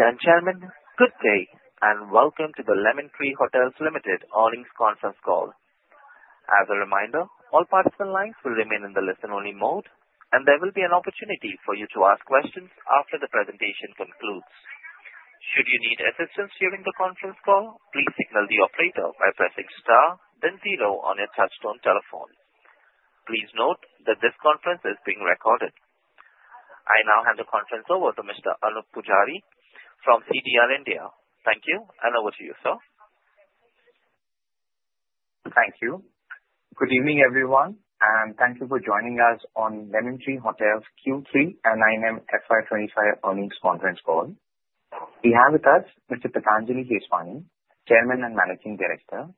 Ladies and gentlemen, good day and welcome to the Lemon Tree Hotels Limited Audience Conference Call. As a reminder, all participant lines will remain in the listen-only mode, and there will be an opportunity for you to ask questions after the presentation concludes. Should you need assistance during the conference call, please signal the operator by pressing star, then zero on your touch-tone telephone. Please note that this conference is being recorded. I now hand the conference over to Mr. Anoop Poojari from CDR India. Thank you, and over to you, sir. Thank you. Good evening, everyone, and thank you for joining us on Lemon Tree Hotels Q3 and 9M FY 2025 Earnings Conference Call. We have with us Mr. Patanjali Keswani, Chairman and Managing Director,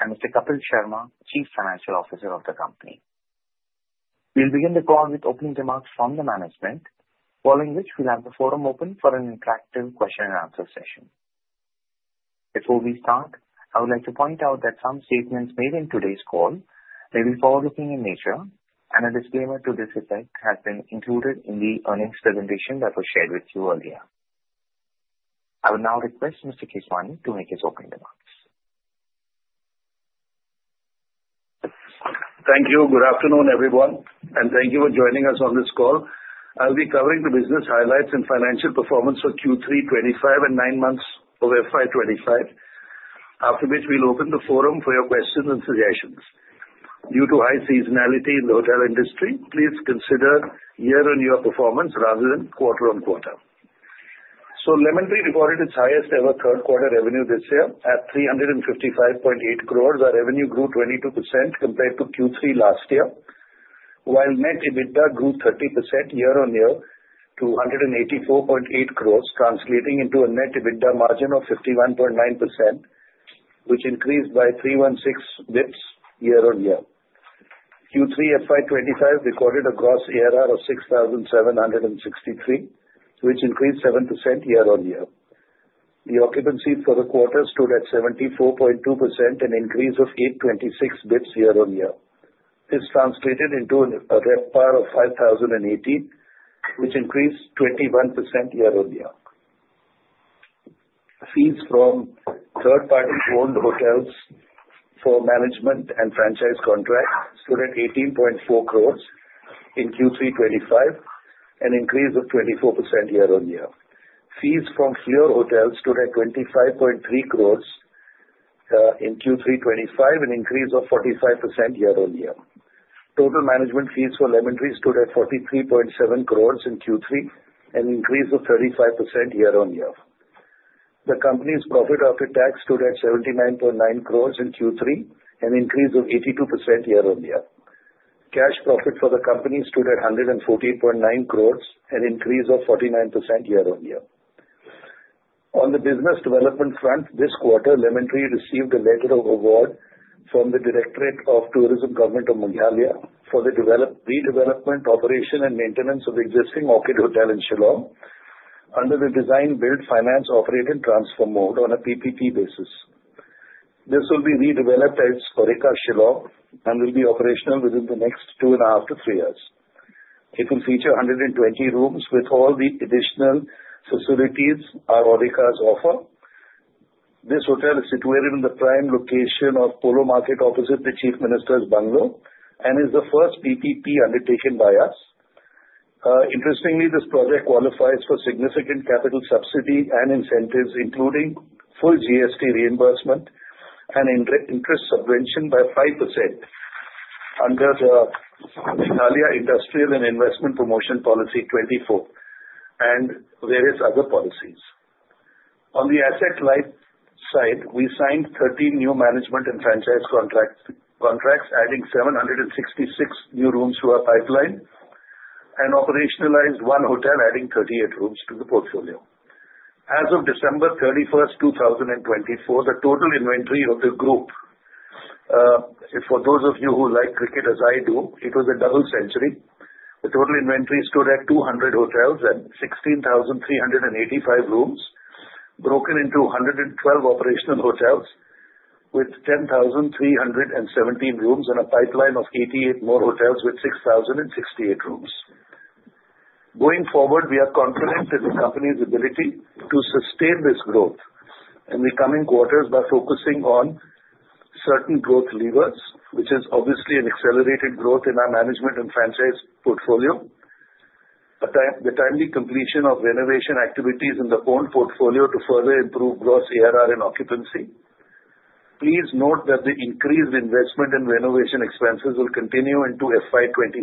and Mr. Kapil Sharma, Chief Financial Officer of the company. We'll begin the call with opening remarks from the management, following which we'll have the forum open for an interactive question-and-answer session. Before we start, I would like to point out that some statements made in today's call may be forward-looking in nature, and a disclaimer to this effect has been included in the earnings presentation that was shared with you earlier. I will now request Mr. Keswani to make his opening remarks. Thank you. Good afternoon, everyone, and thank you for joining us on this call. I'll be covering the business highlights and financial performance for Q3 2025 and nine months of FY 2025, after which we'll open the forum for your questions and suggestions. Due to high seasonality in the hotel industry, please consider year-on-year performance rather than quarter-on-quarter. So Lemon Tree reported its highest-ever third-quarter revenue this year at 355.8 crores. Our revenue grew 22% compared to Q3 last year, while net EBITDA grew 30% year-on-year to 184.8 crores, translating into a net EBITDA margin of 51.9%, which increased by 316 basis points year-on-year. Q3 FY 2025 recorded a gross ARR of 6,763, which increased 7% year-on-year. The occupancy for the quarter stood at 74.2%, an increase of 826 basis points year-on-year. This translated into a RevPAR of 5,080, which increased 21% year-on-year. Fees from third-party-owned hotels for management and franchise contracts stood at 18.4 crores in Q3 2025, an increase of 24% year-on-year. Fees from Fleur hotels stood at 25.3 crores in Q3 2025, an increase of 45% year-on-year. Total management fees for Lemon Tree stood at 43.7 crores in Q3, an increase of 35% year-on-year. The company's profit after tax stood at 79.9 crores in Q3, an increase of 82% year-on-year. Cash profit for the company stood at 114.9 crores, an increase of 49% year-on-year. On the business development front, this quarter, Lemon Tree received a letter of award from the Directorate of Tourism Government of Meghalaya for the redevelopment, operation, and maintenance of existing Orchid Hotel in Shillong under the design-build-finance-operate-and-transfer mode on a PPP basis. This will be redeveloped as Aurika Shillong and will be operational within the next two and a half to three years. It will feature 120 rooms with all the additional facilities our Aurikas offer. This hotel is situated in the prime location of Polo Market opposite the Chief Minister's Bungalow and is the first PPP undertaken by us. Interestingly, this project qualifies for significant capital subsidy and incentives, including full GST reimbursement and interest subvention by 5% under the Meghalaya Industrial and Investment Promotion Policy 24 and various other policies. On the asset-light side, we signed 13 new management and franchise contracts, adding 766 new rooms to our pipeline, and operationalized one hotel, adding 38 rooms to the portfolio. As of December 31, 2024, the total inventory of the group (for those of you who like cricket as I do, it was a double century) the total inventory stood at 200 hotels and 16,385 rooms, broken into 112 operational hotels with 10,317 rooms and a pipeline of 88 more hotels with 6,068 rooms. Going forward, we are confident in the company's ability to sustain this growth in the coming quarters by focusing on certain growth levers, which is obviously an accelerated growth in our management and franchise portfolio, the timely completion of renovation activities in the own portfolio to further improve gross ARR and occupancy. Please note that the increased investment in renovation expenses will continue into FY 2026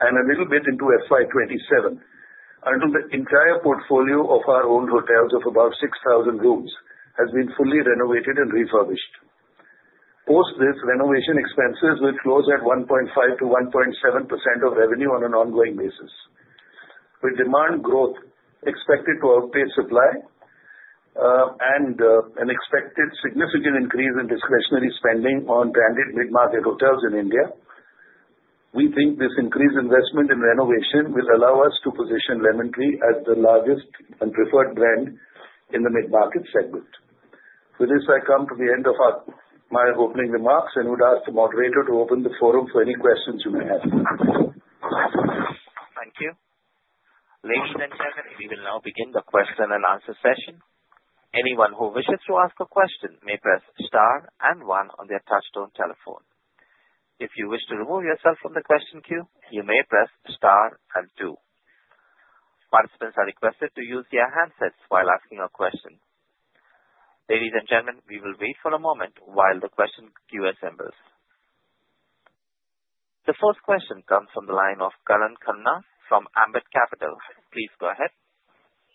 and a little bit into FY 2027 until the entire portfolio of our own hotels of about 6,000 rooms has been fully renovated and refurbished. Post this, renovation expenses will close at 1.5%-1.7% of revenue on an ongoing basis. With demand growth expected to outpace supply and an expected significant increase in discretionary spending on branded mid-market hotels in India, we think this increased investment in renovation will allow us to position Lemon Tree as the largest and preferred brand in the mid-market segment. With this, I come to the end of my opening remarks and would ask the moderator to open the forum for any questions you may have. Thank you. Ladies and gentlemen, we will now begin the question-and-answer session. Anyone who wishes to ask a question may press star and one on their touch-tone telephone. If you wish to remove yourself from the question queue, you may press star and two. Participants are requested to use their handsets while asking a question. Ladies and gentlemen, we will wait for a moment while the question queue assembles. The first question comes from the line of Karan Khanna from Ambit Capital. Please go ahead.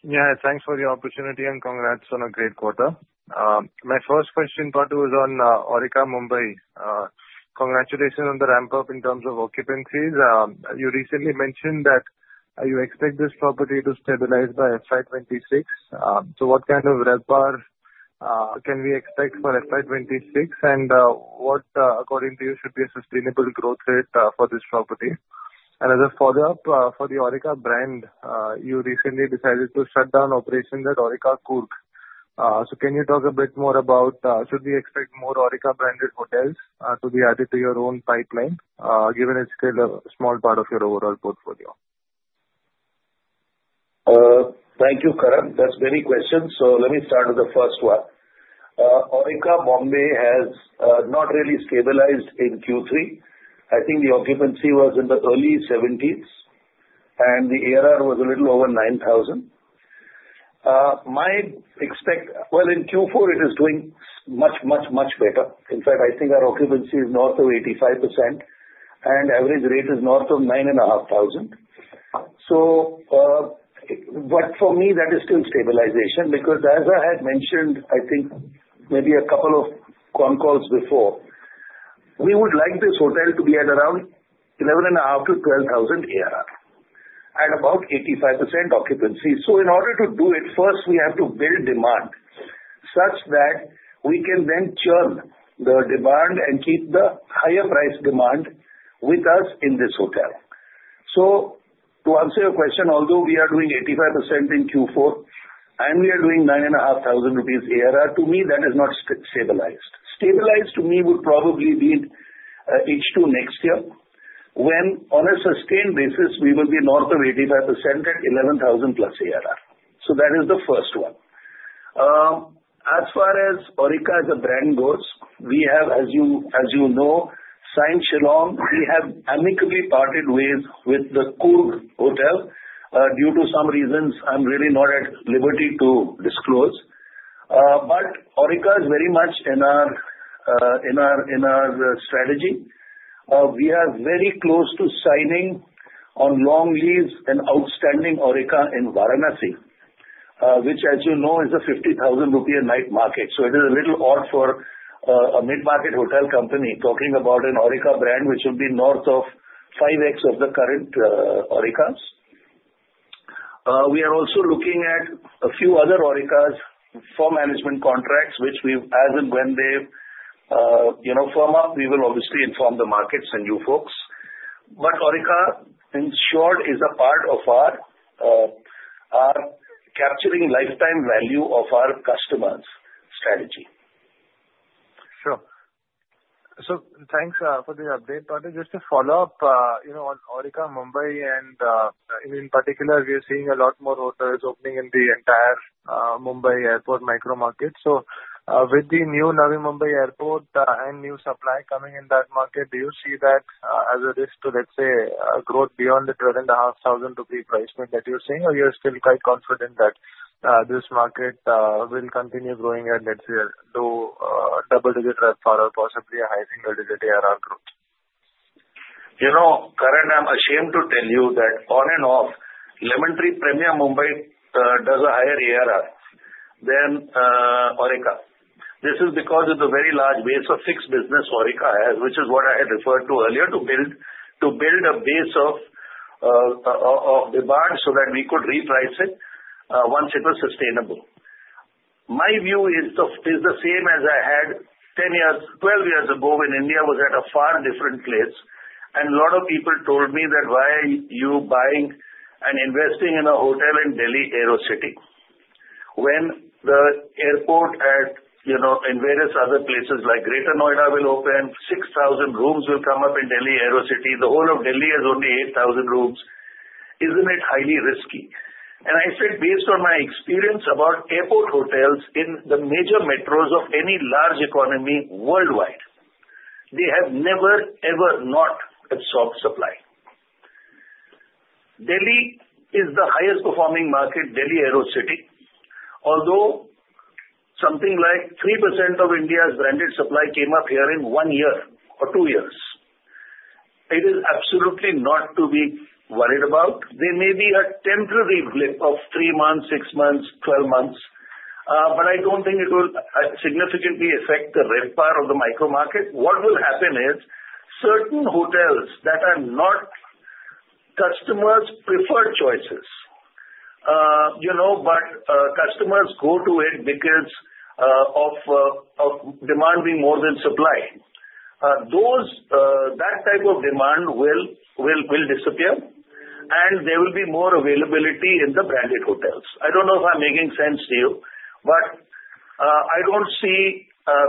Yeah, thanks for the opportunity and congrats on a great quarter. My first question, Patto, is on Aurika Mumbai. Congratulations on the ramp-up in terms of occupancies. You recently mentioned that you expect this property to stabilize by FY 2026, so what kind of RevPAR can we expect for FY 2026, and what, according to you, should be a sustainable growth rate for this property, and as a follow-up for the Aurika brand, you recently decided to shut down operations at Aurika Coorg, so can you talk a bit more about should we expect more Aurika-branded hotels to be added to your own pipeline, given it's still a small part of your overall portfolio? Thank you, Karan. That's many questions. So let me start with the first one. Aurika Bombay has not really stabilized in Q3. I think the occupancy was in the early 70s%, and the ARR was a little over INR 9,000. Well, in Q4, it is doing much, much, much better. In fact, I think our occupancy is north of 85%, and average rate is north of 9,500. So for me, that is still stabilization because, as I had mentioned, I think maybe a couple of con calls before, we would like this hotel to be at around 11,500-12,000 ARR and about 85% occupancy. So in order to do it, first, we have to build demand such that we can then churn the demand and keep the higher-priced demand with us in this hotel. To answer your question, although we are doing 85% in Q4 and we are doing 9,500 ARR, to me, that is not stabilized. Stabilized, to me, would probably be H2 next year when, on a sustained basis, we will be north of 85% at 11,000-plus ARR. So that is the first one. As far as Aurika as a brand goes, we have, as you know, signed Shillong. We have amicably parted ways with the Kurk Hotel due to some reasons I'm really not at liberty to disclose. But Aurika is very much in our strategy. We are very close to signing on long lease an outstanding Aurika in Varanasi, which, as you know, is a 50,000 rupee night market. So it is a little odd for a mid-market hotel company talking about an Aurika brand which will be north of 5X of the current Aurikas. We are also looking at a few other Aurika's for management contracts, which, as and when they form up, we will obviously inform the markets and you folks. But Aurika, in short, is a part of our capturing lifetime value of our customers' strategy. Sure. So thanks for the update, Patty. Just to follow up on Aurika Mumbai, and in particular, we are seeing a lot more hotels opening in the entire Mumbai airport micro-market. So with the new Navi Mumbai airport and new supply coming in that market, do you see that as a risk to, let's say, growth beyond the 12,500 rupee price point that you're seeing, or you're still quite confident that this market will continue growing at, let's say, low double-digit RevPAR or possibly a high single-digit ARR growth? Karan, I'm ashamed to tell you that on and off, Lemon Tree Premier Mumbai does a higher ARR than Aurika. This is because of the very large base of fixed business Aurika has, which is what I had referred to earlier, to build a base of demand so that we could reprice it once it was sustainable. My view is the same as I had 10 years, 12 years ago when India was at a far different place, and a lot of people told me that, "Why are you buying and investing in a hotel in Delhi Aerocity when the airport in various other places like Greater Noida will open, 6,000 rooms will come up in Delhi Aerocity? The whole of Delhi has only 8,000 rooms. Isn't it highly risky?" And I said, "Based on my experience about airport hotels in the major metros of any large economy worldwide, they have never, ever not absorbed supply." Delhi is the highest-performing market, Delhi Aerocity, although something like 3% of India's branded supply came up here in one year or two years. It is absolutely not to be worried about. There may be a temporary blip of three months, six months, twelve months, but I don't think it will significantly affect the RevPAR of the micro-market. What will happen is certain hotels that are not customers' preferred choices but customers go to it because of demand being more than supply, that type of demand will disappear, and there will be more availability in the branded hotels. I don't know if I'm making sense to you, but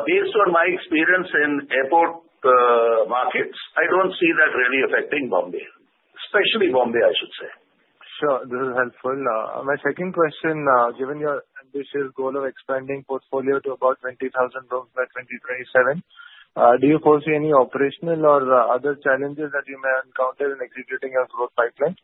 based on my experience in airport markets, I don't see that really affecting Bombay, especially Bombay, I should say. Sure. This is helpful. My second question, given your ambitious goal of expanding portfolio to about 20,000 rooms by 2027, do you foresee any operational or other challenges that you may encounter in executing your growth pipeline?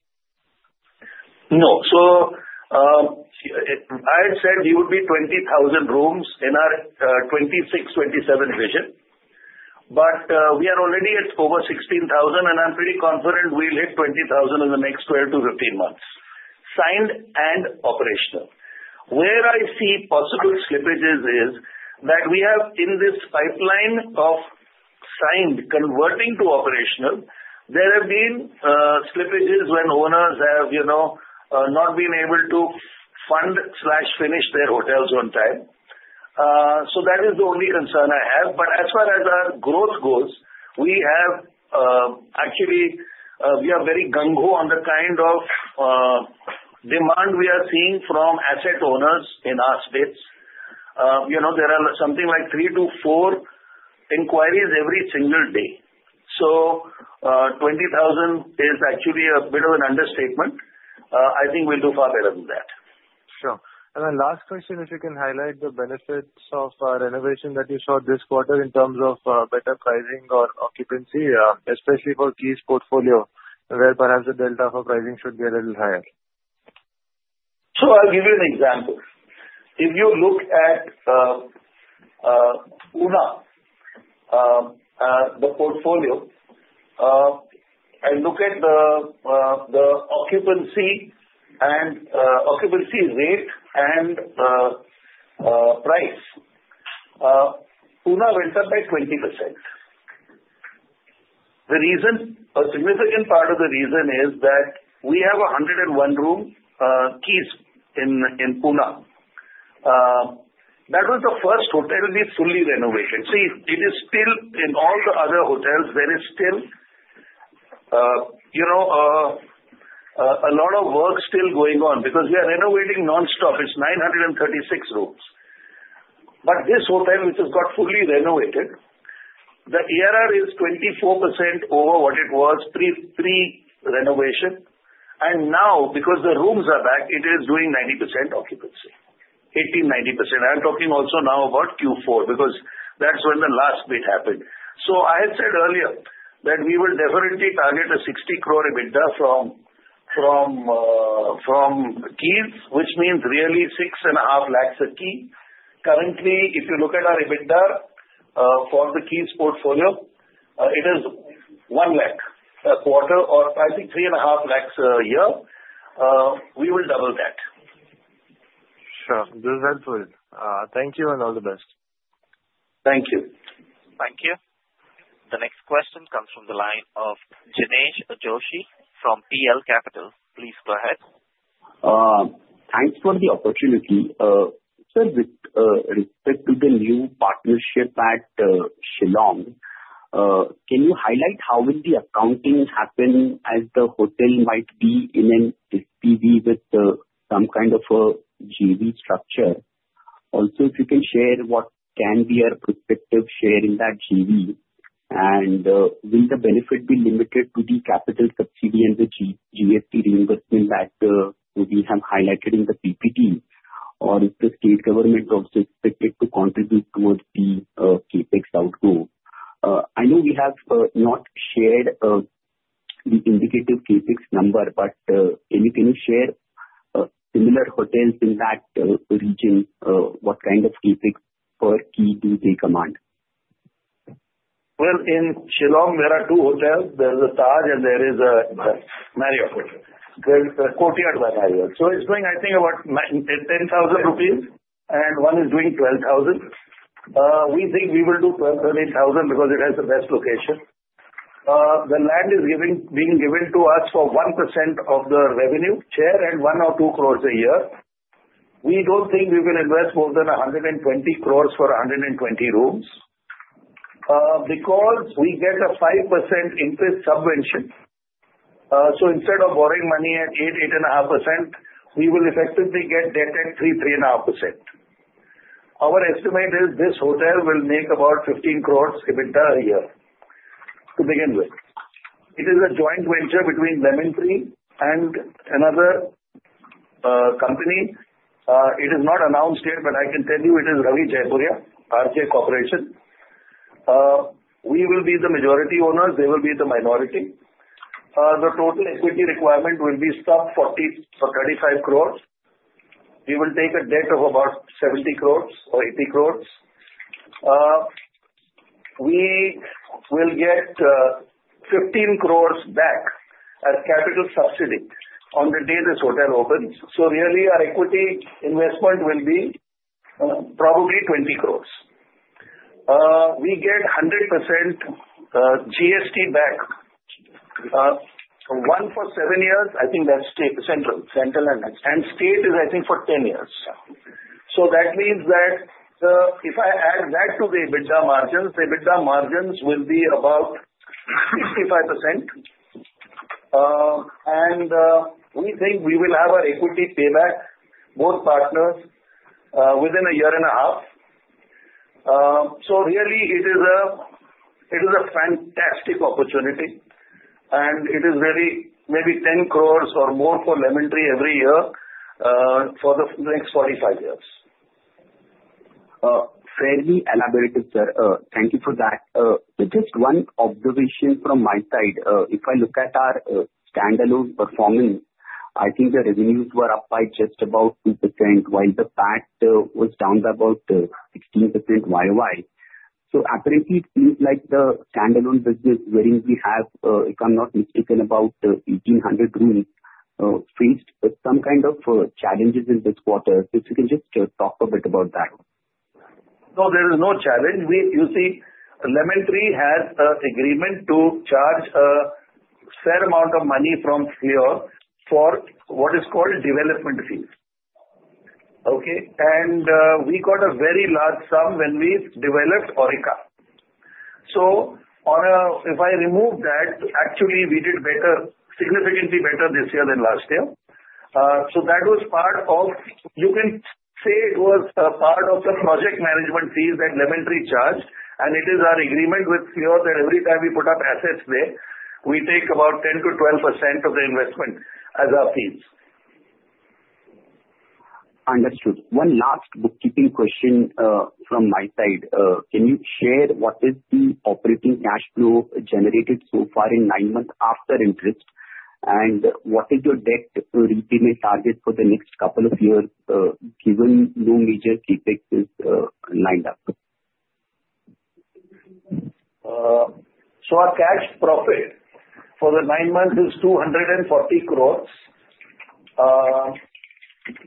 No. So I had said we would be 20,000 rooms in our 2026-2027 vision, but we are already at over 16,000, and I'm pretty confident we'll hit 20,000 in the next 12 to 15 months. Signed and operational. Where I see possible slippages is that we have, in this pipeline of signed converting to operational, there have been slippages when owners have not been able to fund or finish their hotels on time. So that is the only concern I have. But as far as our growth goes, we have actually, we are very gung-ho on the kind of demand we are seeing from asset owners in our space. There are something like three to four inquiries every single day. So 20,000 is actually a bit of an understatement. I think we'll do far better than that. Sure. And my last question, if you can highlight the benefits of renovation that you saw this quarter in terms of better pricing or occupancy, especially for Keys portfolio, where perhaps the delta for pricing should be a little higher? So I'll give you an example. If you look at Pune, the portfolio, and look at the occupancy rate and price, Pune went up by 20%. A significant part of the reason is that we have 101-room Keys in Pune. That was the first hotel with full renovation. See, it is still, in all the other hotels, there is still a lot of work still going on because we are renovating nonstop. It's 936 rooms. But this hotel, which has got fully renovated, the RevPAR is 24% over what it was pre-renovation. And now, because the rooms are back, it is doing 90% occupancy, 80-90%. I'm talking also now about Q4 because that's when the last bit happened. So I had said earlier that we will definitely target a 60 crore EBITDA from Keys, which means really 6.5 lakhs a key. Currently, if you look at our EBITDA for the Keys portfolio, it is 1 lakh a quarter or, I think, 3.5 lakhs a year. We will double that. Sure. This is helpful. Thank you and all the best. Thank you. Thank you. The next question comes from the line of Jinesh Joshi from PL Capital. Please go ahead. Thanks for the opportunity. Sir, with respect to the new partnership at Shillong, can you highlight how will the accounting happen as the hotel might be in an SPV with some kind of a GV structure? Also, if you can share what can be our prospective share in that GV, and will the benefit be limited to the capital subsidy and the GST reimbursement that we have highlighted in the PPT, or is the state government also expected to contribute towards the CapEx outgo? I know we have not shared the indicative CapEx number, but can you share similar hotels in that region, what kind of CapEx per key do they command? In Shillong, there are two hotels. There's the Taj, and there is the Marriott. There's the Courtyard by Marriott. So it's going, I think, about 10,000, and one is doing 12,000. We think we will do 12,000-13,000 because it has the best location. The land is being given to us for 1% of the revenue share, and one or two crores a year. We don't think we will invest more than 120 crores for 120 rooms because we get a 5% interest subvention. So instead of borrowing money at 8-8.5%, we will effectively get debt at 3-3.5%. Our estimate is this hotel will make about 15 crores EBITDA a year to begin with. It is a joint venture between Lemon Tree and another company. It is not announced yet, but I can tell you it is Ravi Jaipuria, RJ Corporation. We will be the majority owners. They will be the minority. The total equity requirement will be 35 crores. We will take a debt of about 70 crores or 80 crores. We will get 15 crores back as capital subsidy on the day this hotel opens. So really, our equity investment will be probably 20 crores. We get 100% GST back. One for seven years, I think that's central and state. And state is, I think, for 10 years. So that means that if I add that to the EBITDA margins, the EBITDA margins will be about 55%. And we think we will have our equity payback, both partners, within a year and a half. So really, it is a fantastic opportunity, and it is really maybe 10 crores or more for Lemon Tree every year for the next 45 years. Fairly elaborated, sir. Thank you for that. Just one observation from my side. If I look at our standalone performance, I think the revenues were up by just about 2%, while the PAT was down by about 16% YOY. So apparently, it seems like the standalone business, wherein we have, if I'm not mistaken, about 1,800 rooms, faced some kind of challenges in this quarter. If you can just talk a bit about that. No, there is no challenge. You see, Lemon Tree has an agreement to charge a fair amount of money from Fleur for what is called development fees. Okay? And we got a very large sum when we developed Aurika. So if I remove that, actually, we did better, significantly better this year than last year. So that was part of, you can say it was part of the project management fees that Lemon Tree charged, and it is our agreement with Fleur that every time we put up assets there, we take about 10%-12% of the investment as our fees. Understood. One last bookkeeping question from my side. Can you share what is the operating cash flow generated so far in nine months after interest, and what is your debt repayment target for the next couple of years given no major CapEx is lined up? Our cash profit for the nine months is INR 240 crores.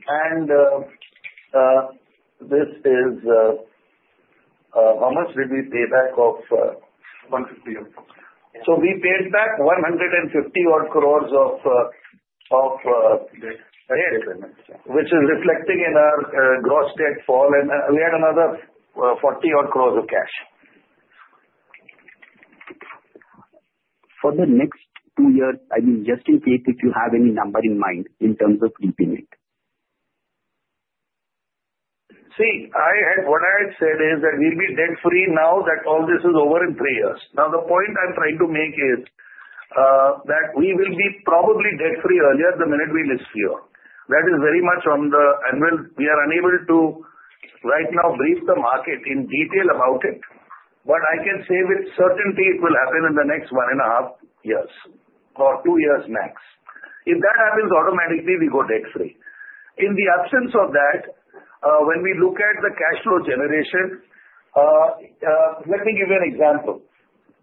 And this is how much did we pay back of 150? We paid back 150-odd crores of debt, which is reflecting in our gross debt fall, and we had another 40-odd crores of cash. For the next two years, I mean, just in case if you have any number in mind in terms of repayment? See, what I had said is that we'll be debt-free now that all this is over in three years. Now, the point I'm trying to make is that we will be probably debt-free earlier the minute we list Fleur. That is very much on the cards. We are unable, right now, to brief the market in detail about it, but I can say with certainty it will happen in the next one and a half years or two years max. If that happens, automatically, we go debt-free. In the absence of that, when we look at the cash flow generation, let me give you an example.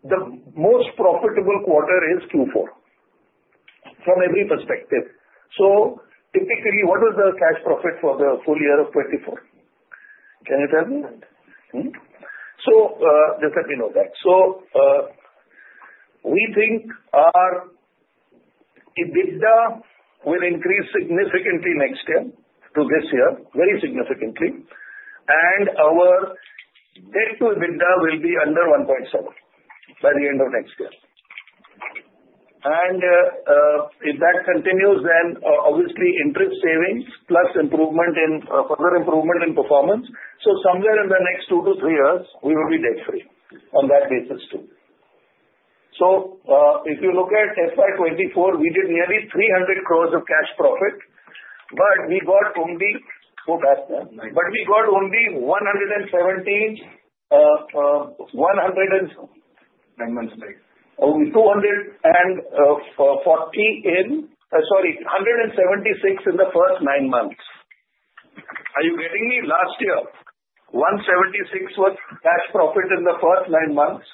The most profitable quarter is Q4 from every perspective, so typically what was the cash profit for the full year of 2024? Can you tell me? Just let me know that. So we think our EBITDA will increase significantly next year to this year, very significantly, and our debt-to-EBITDA will be under 1.7 by the end of next year. And if that continues, then obviously interest savings plus further improvement in performance. So somewhere in the next two to three years, we will be debt-free on that basis too. So if you look at FY 2024, we did nearly 300 crores of cash profit, but we got only 176 in the first nine months. Are you getting me? Last year, 176 was cash profit in the first nine months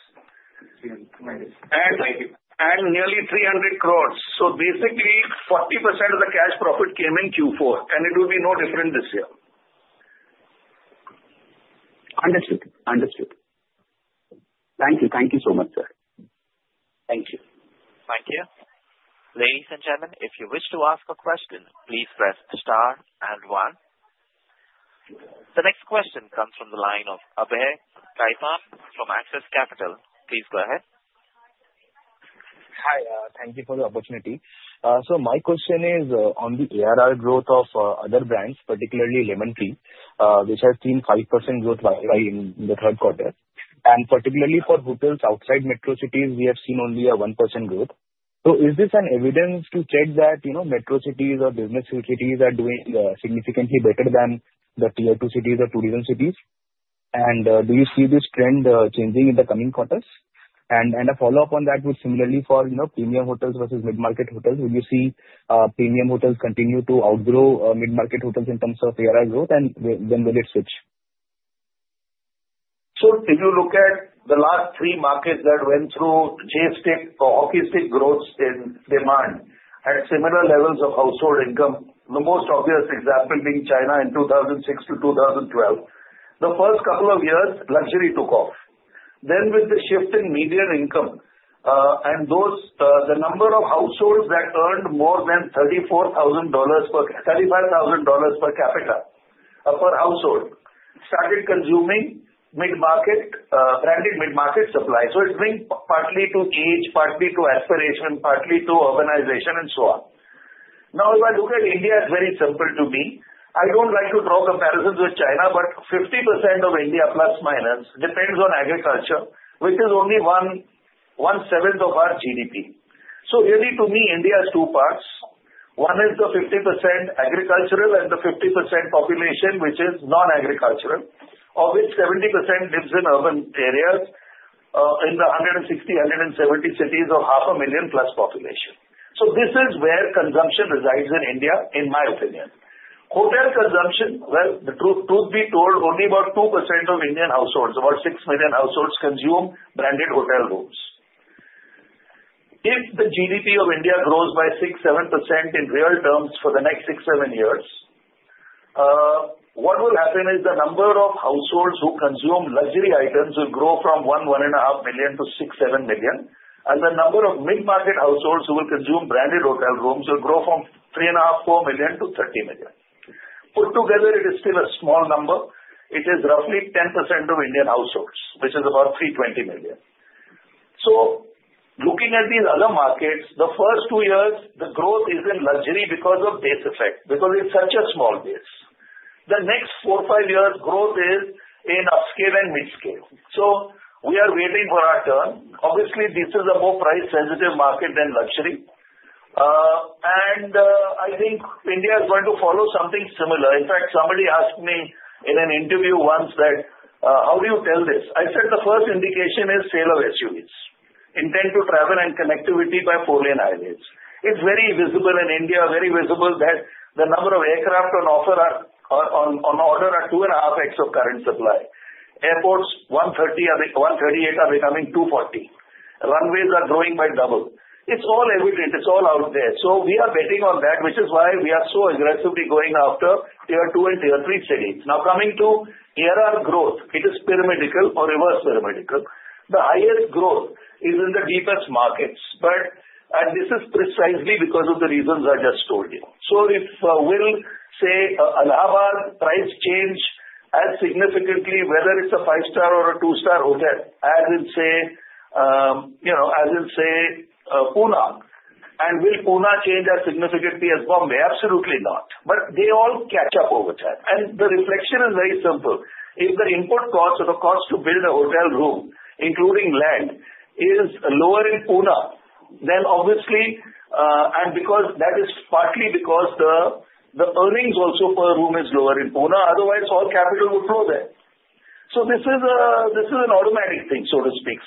and nearly 300 crores. So basically, 40% of the cash profit came in Q4, and it will be no different this year. Understood. Understood. Thank you. Thank you so much, sir. Thank you. Thank you. Ladies and gentlemen, if you wish to ask a question, please press star and one. The next question comes from the line of Abhay Khaitan from Axis Capital. Please go ahead. Hi. Thank you for the opportunity. So my question is on the ARR growth of other brands, particularly Lemon Tree, which has seen 5% growth in the third quarter. And particularly for hotels outside metro cities, we have seen only a 1% growth. So is this an evidence to check that metro cities or business cities are doing significantly better than the tier two cities or tourism cities? And do you see this trend changing in the coming quarters? And a follow-up on that would similarly fall on premium hotels versus mid-market hotels. Would you see premium hotels continue to outgrow mid-market hotels in terms of ARR growth, and then will it switch? If you look at the last three markets that went through hockey stick growth in demand at similar levels of household income, the most obvious example being China in 2006 to 2012, the first couple of years, luxury took off. With the shift in median income and the number of households that earned more than $35,000 per capita per household started consuming mid-market, branded mid-market supply. It's linked partly to age, partly to aspiration, partly to urbanization, and so on. Now, if I look at India, it's very simple to me. I don't like to draw comparisons with China, but 50% of India, plus minus, depends on agriculture, which is only one seventh of our GDP. Really, to me, India has two parts. One is the 50% agricultural and the 50% population, which is non-agricultural, of which 70% lives in urban areas in the 160-170 cities of 500,000-plus population. So this is where consumption resides in India, in my opinion. Hotel consumption, well, the truth be told, only about 2% of Indian households, about 6 million households, consume branded hotel rooms. If the GDP of India grows by 6-7% in real terms for the next 6-7 years, what will happen is the number of households who consume luxury items will grow from 1-1.5 million to 6-7 million, and the number of mid-market households who will consume branded hotel rooms will grow from 3.5-4 million to 30 million. Put together, it is still a small number. It is roughly 10% of Indian households, which is about 320 million. So looking at these other markets, the first two years, the growth is in luxury because of base effect because it's such a small base. The next four, five years, growth is in upscale and mid-scale. So we are waiting for our turn. Obviously, this is a more price-sensitive market than luxury. And I think India is going to follow something similar. In fact, somebody asked me in an interview once that, "How do you tell this?" I said the first indication is sale of SUVs, intent to travel and connectivity by four-lane highways. It's very visible in India, very visible that the number of aircraft on order are two and a half X of current supply. Airports, 138 are becoming 240. Runways are growing by double. It's all evident. It's all out there. So we are betting on that, which is why we are so aggressively going after tier two and tier three cities. Now, coming to ARR growth, it is pyramidal or reverse pyramidal. The highest growth is in the deepest markets, but this is precisely because of the reasons I just told you. So if we say Allahabad prices change as significantly, whether it is a five-star or a two-star hotel, as in, say, Pune, and will Pune change as significantly as Bombay? Absolutely not. But they all catch up over time. And the reflection is very simple. If the input cost or the cost to build a hotel room, including land, is lower in Pune, then obviously, and because that is partly because the earnings also per room is lower in Pune, otherwise all capital would flow there. So this is an automatic thing, so to speak,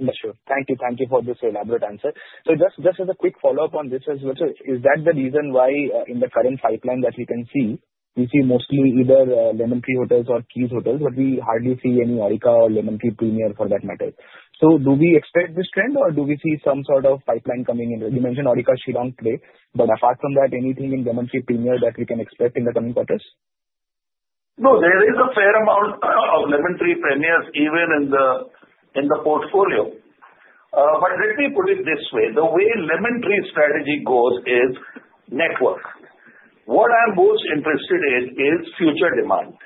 self-regulating. Sure. Thank you. Thank you for this elaborate answer. So just as a quick follow-up on this as well, sir, is that the reason why in the current pipeline that we can see, we see mostly either Lemon Tree Hotels or Keys Hotels, but we hardly see any Aurika or Lemon Tree Premier for that matter? So do we expect this trend, or do we see some sort of pipeline coming in? You mentioned Aurika Shillong today, but apart from that, anything in Lemon Tree Premier that we can expect in the coming quarters? No, there is a fair amount of Lemon Tree Premiers even in the portfolio. But let me put it this way. The way Lemon Tree strategy goes is network. What I'm most interested in is future demand.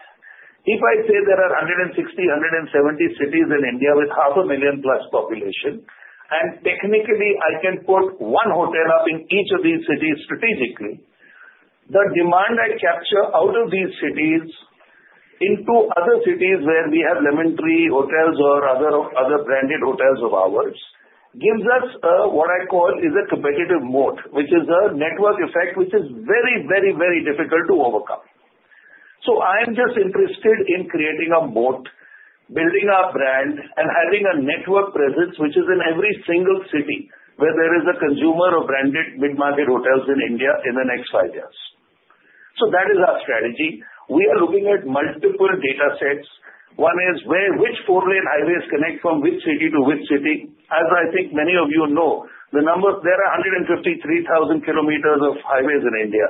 If I say there are 160, 170 cities in India with 500,000 plus population, and technically, I can put one hotel up in each of these cities strategically, the demand I capture out of these cities into other cities where we have Lemon Tree Hotels or other branded hotels of ours gives us what I call is a competitive moat, which is a network effect which is very, very, very difficult to overcome. So I'm just interested in creating a moat, building our brand, and having a network presence which is in every single city where there is a consumer of branded mid-market hotels in India in the next five years. So that is our strategy. We are looking at multiple data sets. One is which four-lane highways connect from which city to which city. As I think many of you know, there are 153,000 km of highways in India,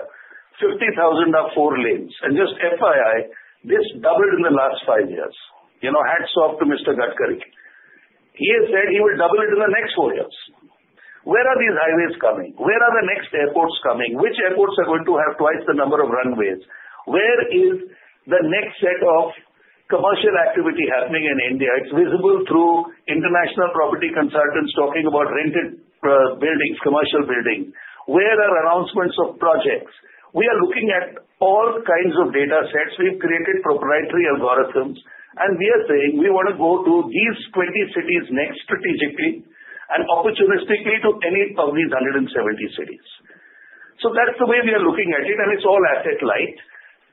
50,000 km are four lanes. And just FYI, this doubled in the last five years. Hats off to Mr. Gadkari. He has said he will double it in the next four years. Where are these highways coming? Where are the next airports coming? Which airports are going to have twice the number of runways? Where is the next set of commercial activity happening in India? It's visible through international property consultants talking about rented buildings, commercial buildings. Where are announcements of projects? We are looking at all kinds of data sets. We've created proprietary algorithms, and we are saying we want to go to these 20 cities next strategically and opportunistically to any of these 170 cities. That's the way we are looking at it, and it's all asset-light.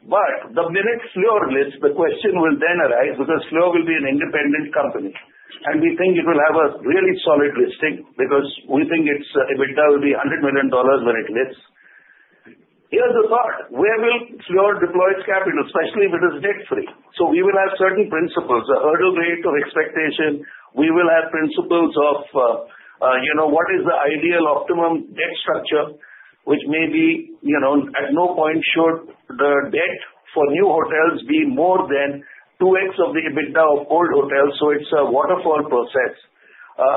But the minute Fleur lists, the question will then arise because Fleur will be an independent company, and we think it will have a really solid listing because we think its EBITDA will be $100 million when it lists. Here's the thought: where will Fleur deploy its capital, especially if it is debt-free? We will have certain principles, a hurdle rate of expectation. We will have principles of what is the ideal optimum debt structure, which may be at no point should the debt for new hotels be more than 2x of the EBITDA of old hotels. It's a waterfall process.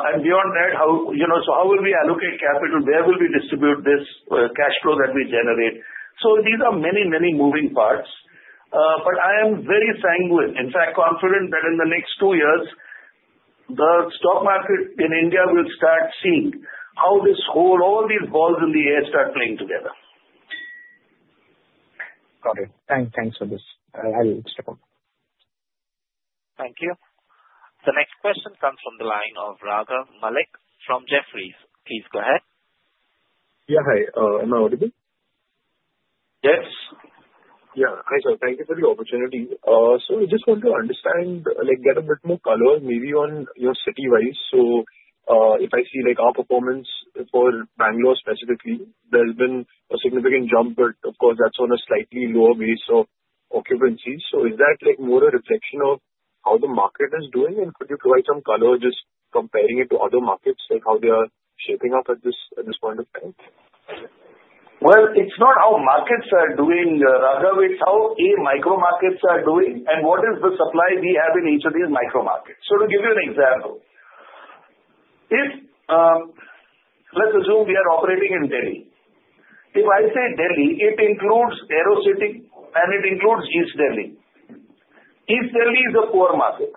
And beyond that, so how will we allocate capital? Where will we distribute this cash flow that we generate? So these are many, many moving parts, but I am very sanguine, in fact, confident that in the next two years, the stock market in India will start seeing how all these balls in the air start playing together. Got it. Thanks for this. I'll step off. Thank you. The next question comes from the line of Raghav Malik from Jefferies. Please go ahead. Yeah. Hi. Am I audible? Yes. Yeah. Hi, sir. Thank you for the opportunity. So I just want to understand, get a bit more color, maybe on your city-wise. So if I see our performance for Bangalore specifically, there's been a significant jump, but of course, that's on a slightly lower base of occupancy. So is that more a reflection of how the market is doing? And could you provide some color just comparing it to other markets, how they are shaping up at this point of time? Well, it's not how markets are doing, Raghav. It's how micro markets are doing and what is the supply we have in each of these micro markets. So to give you an example, let's assume we are operating in Delhi. If I say Delhi, it includes Aerocity, and it includes East Delhi. East Delhi is a poor market.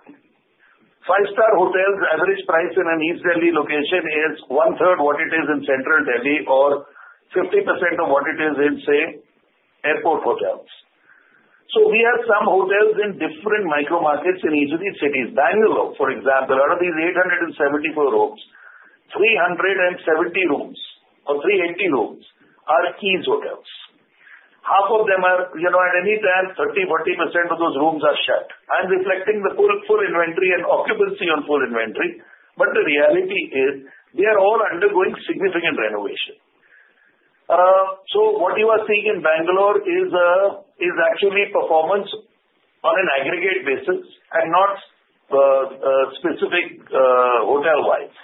Five-star hotel's average price in an East Delhi location is one-third what it is in Central Delhi or 50% of what it is in, say, airport hotels. So we have some hotels in different micro markets in each of these cities. Bangalore, for example, out of these 874 rooms, 370 rooms or 380 rooms are Keys Hotels. Half of them are, at any time, 30%-40% of those rooms are shut. I'm reflecting the full inventory and occupancy on full inventory, but the reality is they are all undergoing significant renovation. So what you are seeing in Bangalore is actually performance on an aggregate basis and not specific hotel-wise.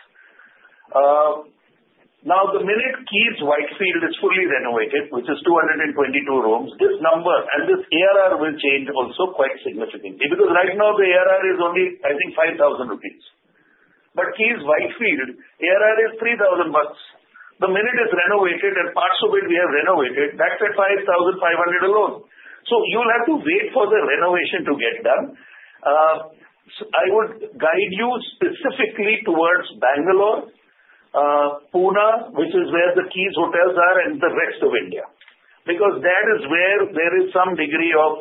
Now, the minute Keys Whitefield is fully renovated, which is 222 rooms, this number and this ARR will change also quite significantly because right now the ARR is only, I think, 5,000 rupees, but Keys Whitefield ARR is INR 3,000. The minute it's renovated and parts of it we have renovated, that's at 5,500 alone, so you'll have to wait for the renovation to get done. I would guide you specifically towards Bangalore, Pune, which is where the Keys Hotels are, and the rest of India because that is where there is some degree of,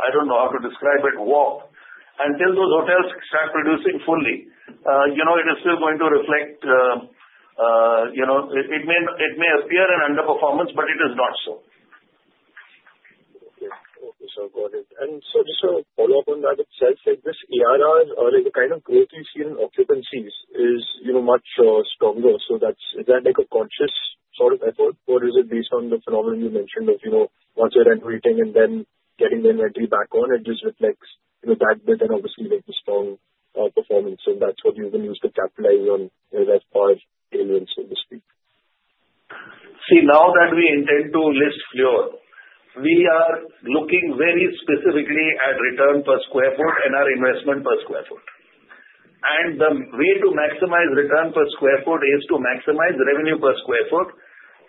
I don't know how to describe it, warp. Until those hotels start producing fully, it is still going to reflect. It may appear in underperformance, but it is not so. Okay. So, got it. And so, just a follow-up on that itself, this ARR or the kind of growth you see in occupancies is much stronger. So, is that a conscious sort of effort, or is it based on the phenomenon you mentioned of once you're re-rating and then getting the inventory back on, it just reflects that bit and obviously the strong performance? And that's what you're going to use to capitalize on as partially, so to speak? See, now that we intend to list Fleur, we are looking very specifically at return per square foot and our investment per square foot, and the way to maximize return per square foot is to maximize revenue per square foot,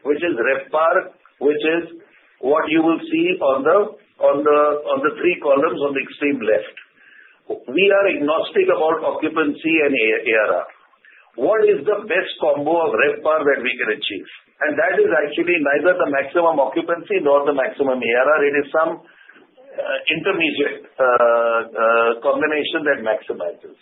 which is RevPAR, which is what you will see on the three columns on the extreme left. We are agnostic about occupancy and ARR. What is the best combo of RevPAR that we can achieve, and that is actually neither the maximum occupancy nor the maximum ARR. It is some intermediate combination that maximizes.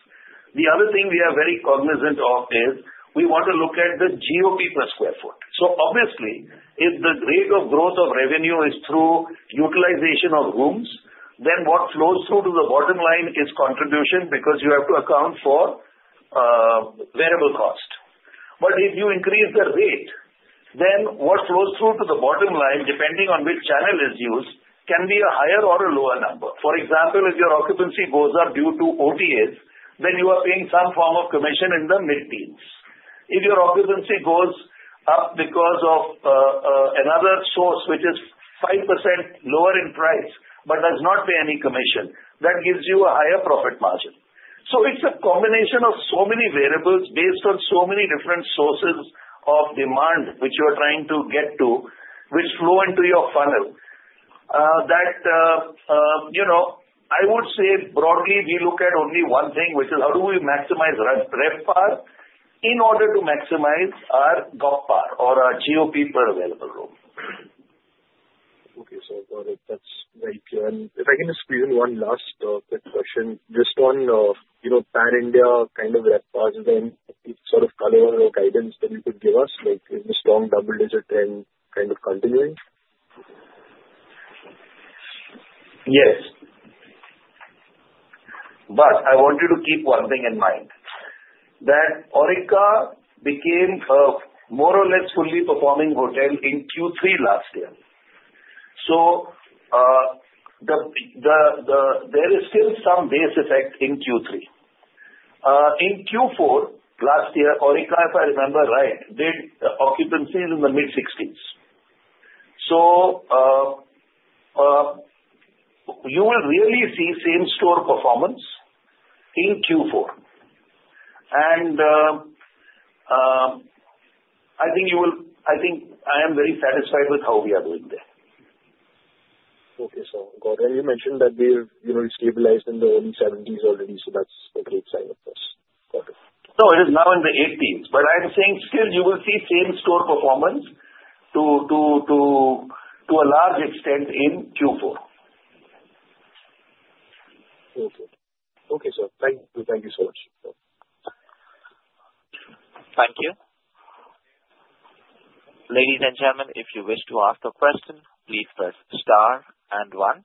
The other thing we are very cognizant of is we want to look at the GOP per square foot, so obviously, if the rate of growth of revenue is through utilization of rooms, then what flows through to the bottom line is contribution because you have to account for variable cost. But if you increase the rate, then what flows through to the bottom line, depending on which channel is used, can be a higher or a lower number. For example, if your occupancy goes up due to OTAs, then you are paying some form of commission in the mid-teens. If your occupancy goes up because of another source, which is 5% lower in price but does not pay any commission, that gives you a higher profit margin. So it's a combination of so many variables based on so many different sources of demand which you are trying to get to, which flow into your funnel. I would say broadly, we look at only one thing, which is how do we maximize RevPAR in order to maximize our GOPPAR or our GOP per available room. Okay. So got it. That's very clear. And if I can just squeeze in one last quick question, just on Pan-India kind of RevPARs and then sort of color or guidance that you could give us, is the strong double-digit trend kind of continuing? Yes. But I want you to keep one thing in mind, that Aurika became a more or less fully performing hotel in Q3 last year. So there is still some base effect in Q3. In Q4 last year, Aurika, if I remember right, did occupancies in the mid-60s. So you will really see same-store performance in Q4. And I think I am very satisfied with how we are doing there. Okay. So got it. And you mentioned that we've stabilized in the early 70s already, so that's a great sign of this. Got it. No, it is now in the 80s. But I'm saying still you will see same-store performance to a large extent in Q4. Okay. Okay, sir. Thank you. Thank you so much. Thank you. Ladies and gentlemen, if you wish to ask a question, please press star and one.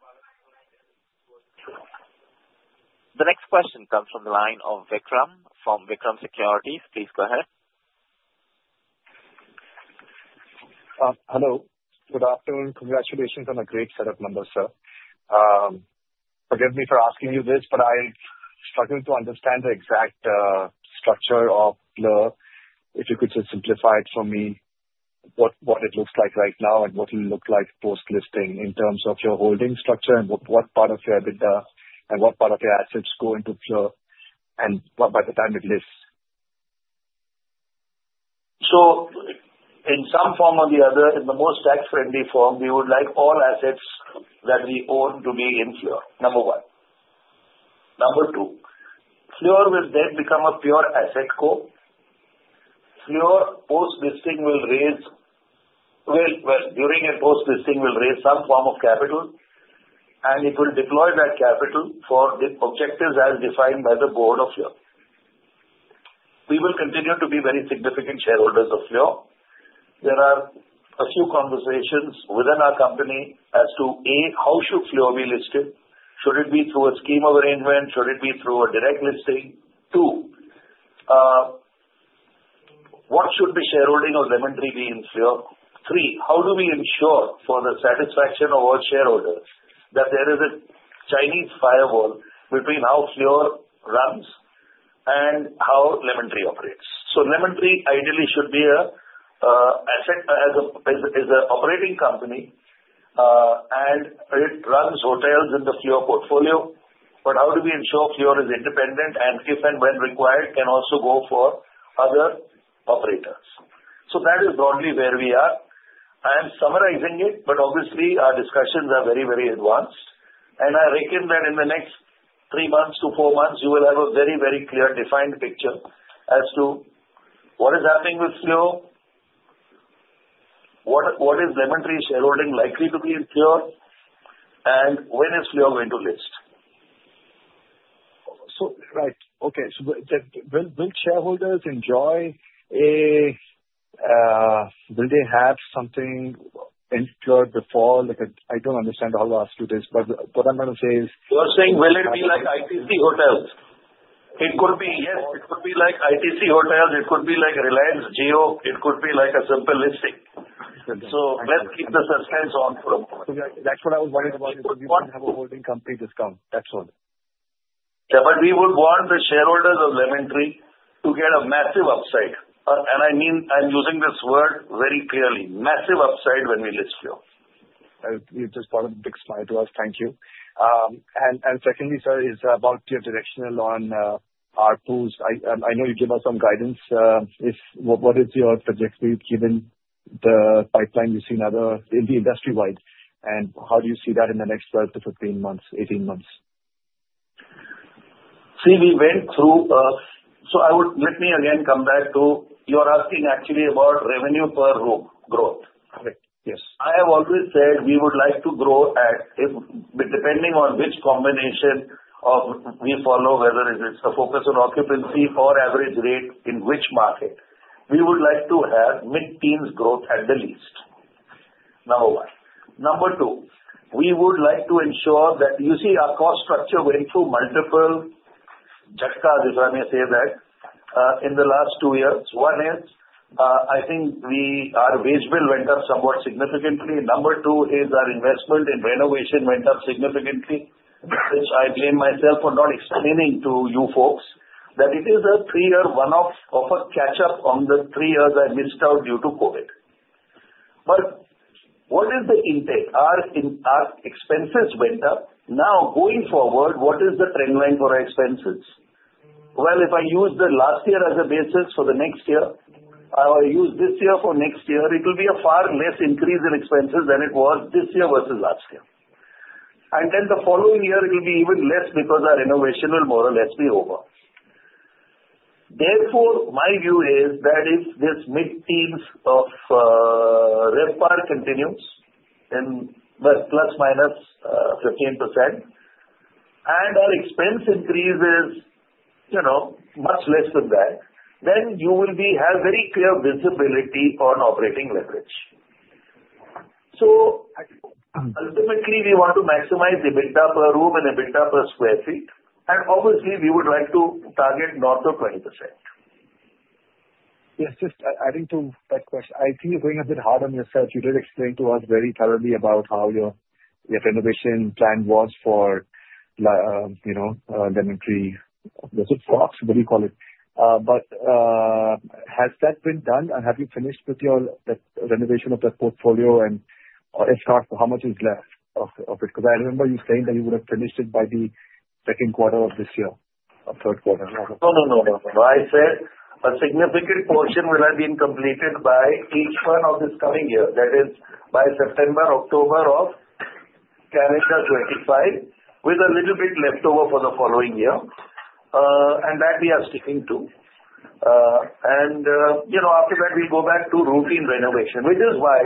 The next question comes from the line of Vikram from Vikram Securities. Please go ahead. Hello. Good afternoon. Congratulations on a great set of numbers, sir. Forgive me for asking you this, but I struggle to understand the exact structure of Fleur. If you could just simplify it for me, what it looks like right now and what it looks like post-listing in terms of your holding structure and what part of your EBITDA and what part of your assets go into Fleur and by the time it lists? In some form or the other, in the most tax-friendly form, we would like all assets that we own to be in Fleur, number one. Number two, Fleur will then become a pure asset core. Fleur post-listing will raise well, during a post-listing, will raise some form of capital, and it will deploy that capital for the objectives as defined by the board of Fleur. We will continue to be very significant shareholders of Fleur. There are a few conversations within our company as to, A, how should Fleur be listed? Should it be through a scheme of arrangement? Should it be through a direct listing? Two, what should the shareholding of Lemon Tree be in Fleur? Three, how do we ensure for the satisfaction of all shareholders that there is a Chinese wall between how Fleur runs and how Lemon Tree operates? So Lemon Tree ideally should be an asset as an operating company, and it runs hotels in the Fleur portfolio. But how do we ensure Fleur is independent and, if and when required, can also go for other operators? So that is broadly where we are. I am summarizing it, but obviously, our discussions are very, very advanced. And I reckon that in the next three months to four months, you will have a very, very clear defined picture as to what is happening with Fleur, what is Lemon Tree shareholding likely to be in Fleur, and when is Fleur going to list? Will shareholders enjoy? Will they have something in Fleur before? I don't understand how to ask you this, but what I'm going to say is. You're saying will it be like ITC Hotels? It could be, yes. It could be like ITC Hotels. It could be like Reliance Jio. It could be like a simple listing. So let's keep the suspense on for a moment. That's what I was worried about. We would want to have a holding company discount. That's all. Yeah, but we would want the shareholders of Lemon Tree to get a massive upside, and I mean, I'm using this word very clearly, massive upside when we list Fleur. You just brought a big smile to us. Thank you, and secondly, sir, is about your direction on ARPUs. I know you gave us some guidance. What is your trajectory given the pipeline you've seen in the industry-wide, and how do you see that in the next 12 to 15 months, 18 months? See, we went through, so let me again come back to what you're asking, actually, about revenue per room growth. Correct. Yes. I have always said we would like to grow at, depending on which combination we follow, whether it's a focus on occupancy or average rate in which market. We would like to have mid-teens growth at the least, number one. Number two, we would like to ensure that you see our cost structure went through multiple jack-ups, if I may say that, in the last two years. One is I think our wage bill went up somewhat significantly. Number two is our investment in renovation went up significantly, which I blame myself for not explaining to you folks that it is a three-year one-off of a catch-up on the three years I missed out due to COVID. But what is the upshot? Our expenses went up. Now, going forward, what is the trend line for our expenses? If I use the last year as a basis for the next year, I use this year for next year, it will be a far less increase in expenses than it was this year versus last year. Then the following year, it will be even less because our renovation will more or less be over. Therefore, my view is that if this mid-teens of RevPAR continues in plus minus 15% and our expense increase is much less than that, then you will have very clear visibility on operating leverage. Ultimately, we want to maximize EBITDA per room and EBITDA per sq ft. Obviously, we would like to target north of 20%. Yes. Just adding to that question, I think you're going a bit hard on yourself. You did explain to us very thoroughly about how your renovation plan was for, you know, Lemon Tree What do you call it? But has that been done, and have you finished with the renovation of the portfolio, and if not, how much is left of it? Because I remember you saying that you would have finished it by the second quarter of this year or third quarter. No, no, no, no, no. I said a significant portion will have been completed by the end of this coming year, that is by September, October of calendar 2025, with a little bit left over for the following year. And that we are sticking to. And after that, we'll go back to routine renovation, which is why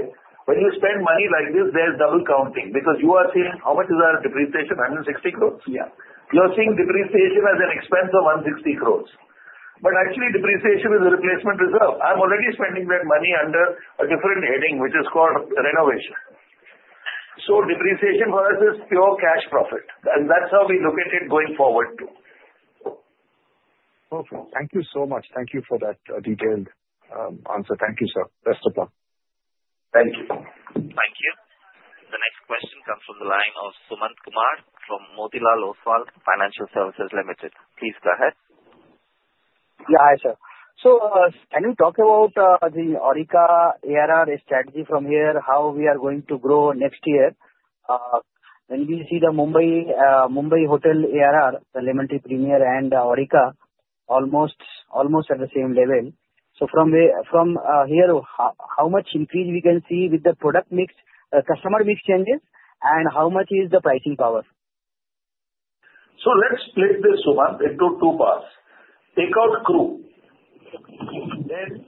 when you spend money like this, there's double counting because you are seeing how much is our depreciation? 160 crores? Yeah. You're seeing depreciation as an expense of 160 crores. But actually, depreciation is a replacement reserve. I'm already spending that money under a different heading, which is called renovation. So depreciation for us is pure cash profit. And that's how we look at it going forward too. Okay. Thank you so much. Thank you for that detailed answer. Thank you, sir. Best of luck. Thank you. Thank you. The next question comes from the line of Sumant Kumar from Motilal Oswal Financial Services Limited. Please go ahead. Yeah, hi sir. So can you talk about the Aurika ARR strategy from here, how we are going to grow next year? When we see the Mumbai Hotel ARR, the Lemon Tree Premier and Aurika almost at the same level. So from here, how much increase we can see with the product mix, customer mix changes, and how much is the pricing power? So let's split this, Sumant, into two parts. Take out crew. Then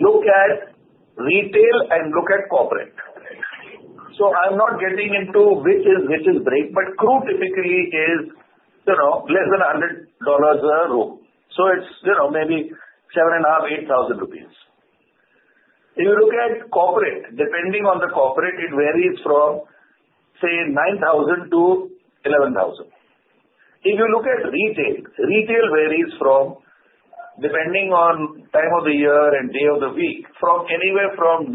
look at retail and look at corporate. So I'm not getting into which is which is break, but crew typically is less than $100 a room. So it's maybe 7,500-8,000 rupees. If you look at corporate, depending on the corporate, it varies from, say, 9,000-11,000. If you look at retail, retail varies from, depending on time of the year and day of the week, from anywhere from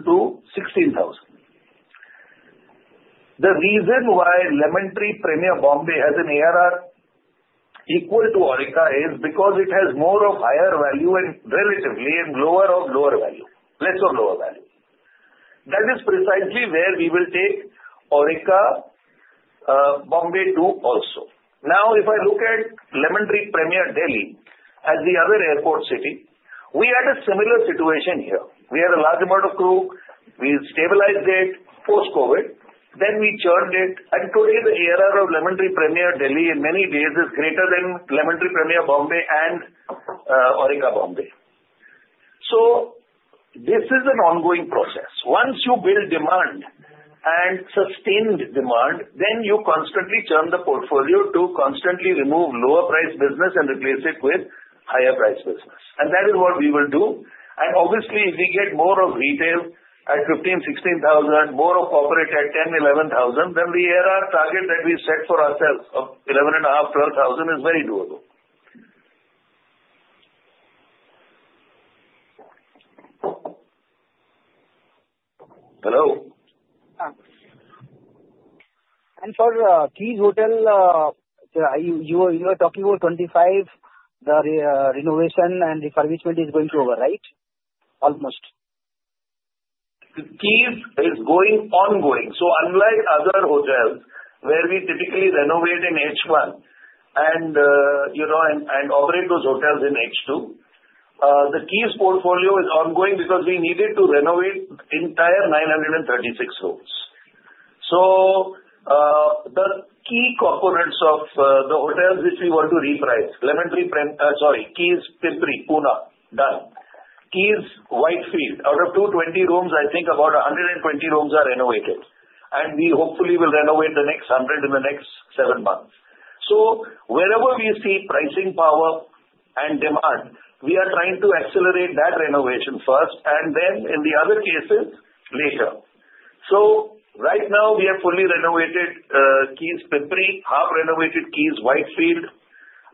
9,000-16,000. The reason why Lemon Tree Premier, Bombay has an ARR equal to Aurika is because it has more of higher value and relatively lower of lower value, less of lower value. That is precisely where we will take Aurika Bombay to also. Now, if I look at Lemon Tree Premier, Delhi, as the other airport city, we had a similar situation here. We had a large amount of crew. We stabilized it post-COVID. Then we churned it, and today, the ARR of Lemon Tree Premier, Delhi, in many ways is greater than Lemon Tree Premier, Bombay, and Aurika Bombay. So this is an ongoing process. Once you build demand and sustained demand, then you constantly churn the portfolio to constantly remove lower-priced business and replace it with higher-priced business, and that is what we will do. And obviously, if we get more of retail at 15,000-16,000, more of corporate at 10,000-11,000, then the ARR target that we set for ourselves of 11,500-12,000 is very doable. Hello. For Keys Hotels, you were talking about 25, the renovation and refurbishment is going to over, right? Almost. Keys is going ongoing. Unlike other hotels where we typically renovate in H1 and operate those hotels in H2, the Keys portfolio is ongoing because we needed to renovate the entire 936 rooms. The key components of the hotels which we want to reprice, Lemon Tree sorry, Keys Pimpri, Pune, done. Keys Whitefield. Out of 220 rooms, I think about 120 rooms are renovated. We hopefully will renovate the next 100 in the next seven months. Wherever we see pricing power and demand, we are trying to accelerate that renovation first and then in the other cases later. Right now, we have fully renovated Keys Pimpri, half-renovated Keys Whitefield,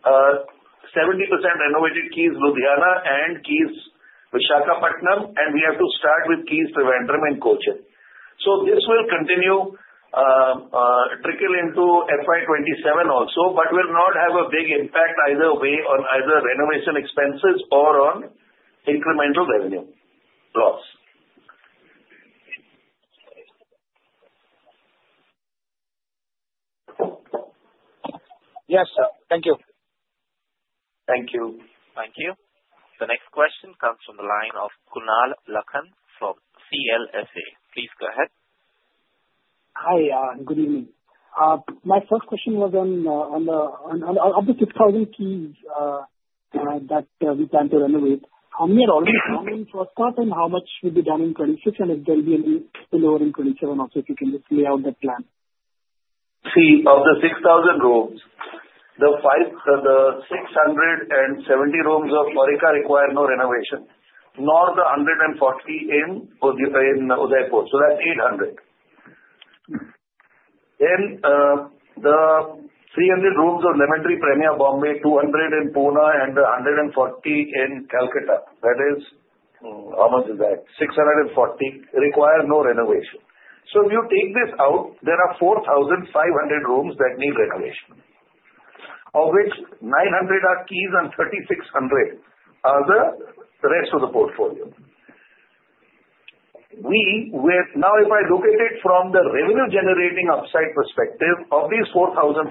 70% renovated Keys Ludhiana, and Keys Visakhapatnam. We have to start with Keys Trivandrum and Kochi. So this will continue trickling into FY 2027 also, but will not have a big impact either way on either renovation expenses or on incremental revenue loss. Yes, sir. Thank you. Thank you. Thank you. The next question comes from the line of Kunal Lakhan from CLSA. Please go ahead. Hi. Good evening. My first question was on the up to 6,000 Keys that we plan to renovate. How many are already done in FY 2025 and how much will be done in FY 2026? And if there will be any spillover in FY 2027 also, if you can just lay out the plan. See, of the 6,000 rooms, the 670 rooms of Aurika require no renovation, nor the 140 in Udaipur. So that's 800. Then the 300 rooms of Lemon Tree Premier, Mumbai, 200 in Pune, and 140 in Kolkata. That is how much is that? 640 require no renovation. So if you take this out, there are 4,500 rooms that need renovation, of which 900 are Keys and 3,600 are the rest of the portfolio. Now, if I look at it from the revenue-generating upside perspective of these 4,500,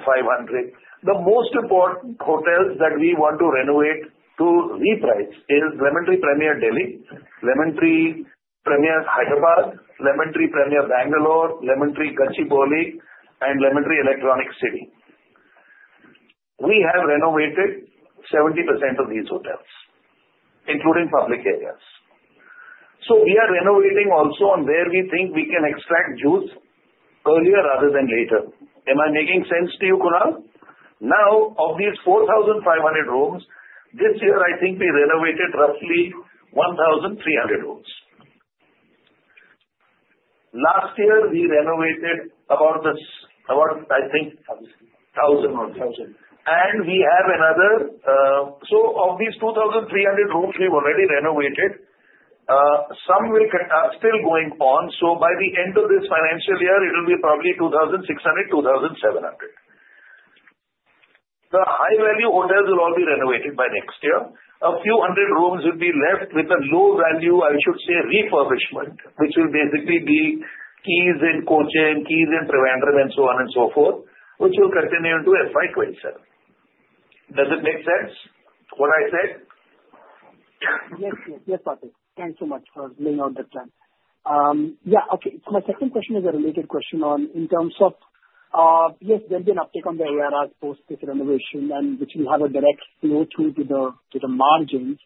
the most important hotels that we want to renovate to reprice is Lemon Tree Premier, Delhi, Lemon Tree Premier, Hyderabad, Lemon Tree Premier, Bangalore, Lemon Tree Gachibowli, and Lemon Tree Electronic City. We have renovated 70% of these hotels, including public areas. So we are renovating also on where we think we can extract juice earlier rather than later. Am I making sense to you, Kunal? Now, of these 4,500 rooms, this year, I think we renovated roughly 1,300 rooms. Last year, we renovated about, I think, 1,000 or 1,000, and so of these 2,300 rooms, we've already renovated. Some are still going on, so by the end of this financial year, it will be probably 2,600, 2,700. The high-value hotels will all be renovated by next year. A few hundred rooms will be left with a low-value, I should say, refurbishment, which will basically be Keys in Kochi, and Keys in Trivandrum, and so on and so forth, which will continue into FY 2027. Does it make sense, what I said? Yes, yes. Yes, Patty. Thanks so much for laying out the plan. Yeah. Okay. My second question is a related question on, in terms of, yes, there'll be an uptake on the ARR post this renovation, which will have a direct flow through to the margins.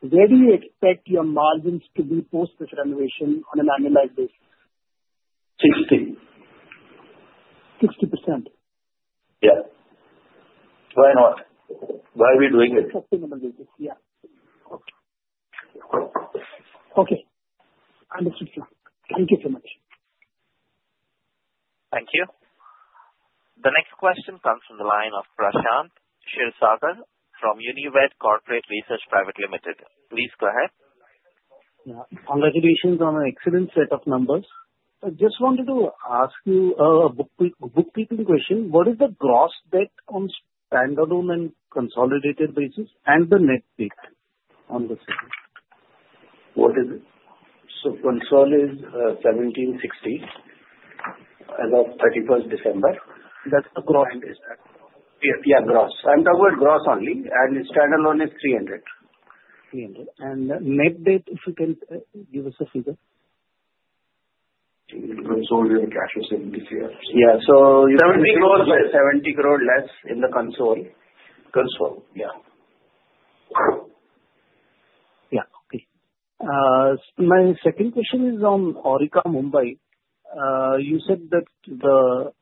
Where do you expect your margins to be post this renovation on an annualized basis? 60. 60%? Yeah. Why not? Why are we doing it? Sustainable basis. Yeah. Okay. Okay. Understood, sir. Thank you so much. Thank you. The next question comes from the line of Prashant Kshirsagar from Unived Corporate Research Private Limited. Please go ahead. Yeah. Congratulations on an excellent set of numbers. I just wanted to ask you a bookkeeping question. What is the gross debt on standalone and consolidated basis and the net debt on the second? What is it? So consol is 1,760 as of 31st December. That's the gross? Yeah, gross. I'm talking about gross only. And standalone is 300. And net debt, if you can give us a figure? Consolidated cash of INR 70 crores. Yeah. So, 70 crores less in the consol. Console? Yeah. Yeah. Okay. My second question is on Aurika Mumbai. You said that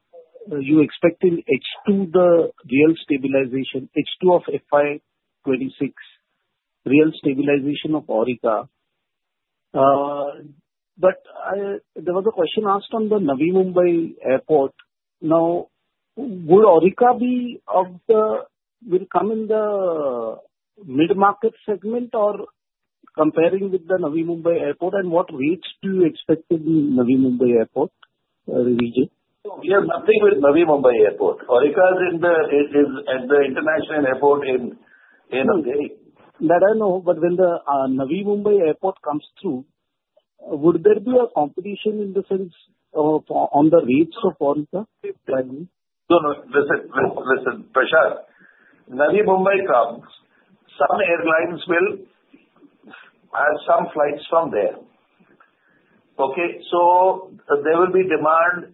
you expect in H2 the real stabilization, H2 of FY 2026, real stabilization of Aurika. But there was a question asked on the Navi Mumbai Airport. Now, would Aurika be of the will come in the mid-market segment or comparing with the Navi Mumbai Airport? And what rates do you expect in Navi Mumbai Airport region? We have nothing with Navi Mumbai Airport. Aurika is at the international airport in Delhi. That I know. But when the Navi Mumbai Airport comes through, would there be a competition in the sense on the rates of Aurika? No, no. Listen, listen, Prashant. Navi Mumbai comes, some airlines will have some flights from there. Okay? So there will be demand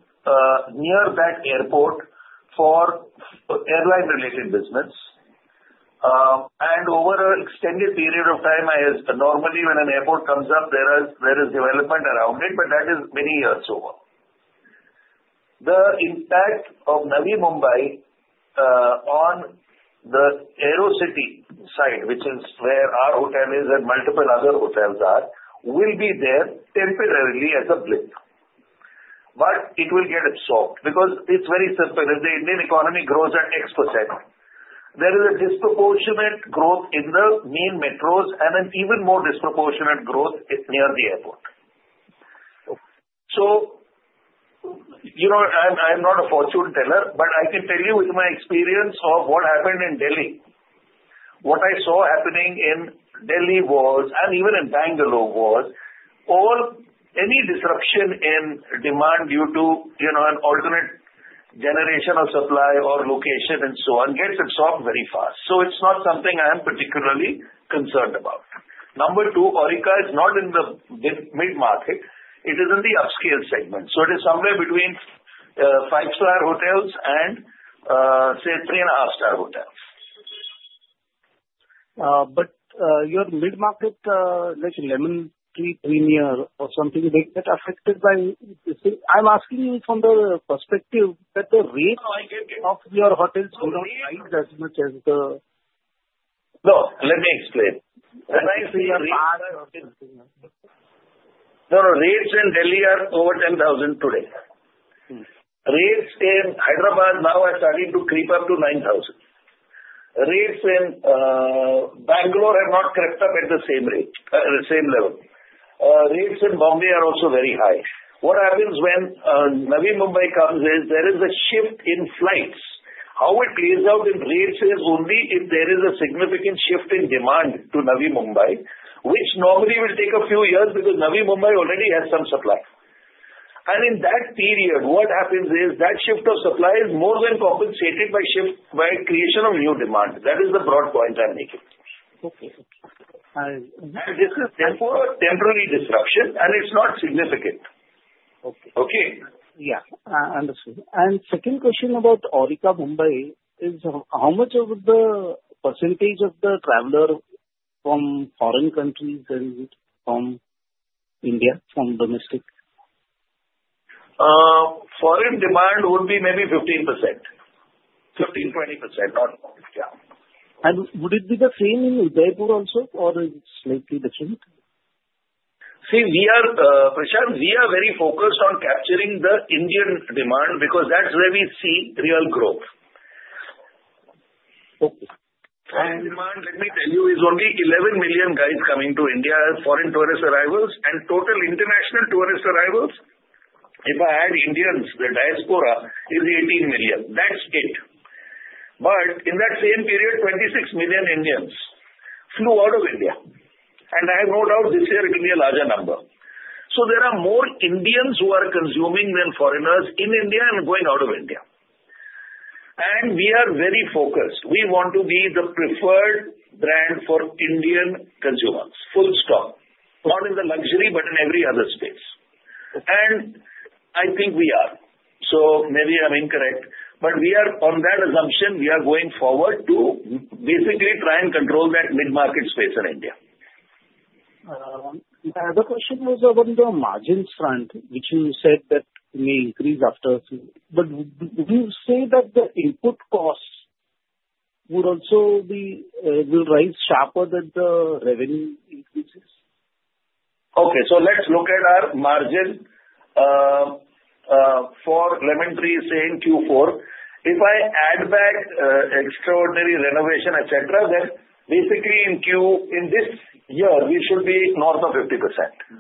near that airport for airline-related business, and over an extended period of time, normally when an airport comes up, there is development around it, but that is many years over. The impact of Navi Mumbai on the Aerocity side, which is where our hotel is and multiple other hotels are, will be there temporarily as a blip, but it will get absorbed because it's very simple. If the Indian economy grows at X%, there is a disproportionate growth in the main metros and an even more disproportionate growth near the airport. So I'm not a fortune teller, but I can tell you with my experience of what happened in Delhi, what I saw happening in Delhi was, and even in Bangalore was, any disruption in demand due to an alternate generation of supply or location and so on gets absorbed very fast. So it's not something I am particularly concerned about. Number two, Aurika is not in the mid-market. It is in the upscale segment. So it is somewhere between five-star hotels and, say, three-and-a-half-star hotels. But your mid-market, like Lemon Tree Premier or something, they get affected by. I'm asking you from the perspective that the rates of your hotels do not rise as much as the. No, let me explain. Rates in Delhi are over 10,000 today. Rates in Hyderabad now are starting to creep up to 9,000. Rates in Bangalore have not crept up at the same rate, the same level. Rates in Bombay are also very high. What happens when Navi Mumbai comes is there is a shift in flights. How it plays out in rates is only if there is a significant shift in demand to Navi Mumbai, which normally will take a few years because Navi Mumbai already has some supply. And in that period, what happens is that shift of supply is more than compensated by creation of new demand. That is the broad point I'm making. Okay. Okay. This is temporary disruption, and it's not significant. Okay. Okay? Yeah. Understood. And second question about Aurika Mumbai is how much of the percentage of the traveler from foreign countries and from India, from domestic? Foreign demand would be maybe 15%-20%. Yeah. Would it be the same in Udaipur also, or is it slightly different? See, Prashant, we are very focused on capturing the Indian demand because that's where we see real growth. Okay. Demand, let me tell you, is only 11 million guys coming to India as foreign tourist arrivals, and total international tourist arrivals, if I add Indians, the diaspora, is 18 million. That's it. But in that same period, 26 million Indians flew out of India. And I have no doubt this year it will be a larger number. So there are more Indians who are consuming than foreigners in India and going out of India. And we are very focused. We want to be the preferred brand for Indian consumers, full stop, not in the luxury, but in every other space. And I think we are. So maybe I'm incorrect, but on that assumption, we are going forward to basically try and control that mid-market space in India. My other question was about the margin front, which you said that may increase after a few. But would you say that the input costs would also be will rise sharper than the revenue increases? Okay. So let's look at our margin for Lemon Tree is saying Q4. If I add back extraordinary renovation, etc., then basically in Q in this year, we should be north of 50%.